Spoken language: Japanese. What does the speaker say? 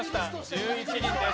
１１人です。